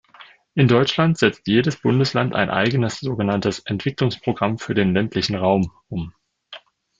In Deutschland setzt jedes Bundesland ein eigenes sogenanntes „Entwicklungsprogramm für den ländlichen Raum“ um.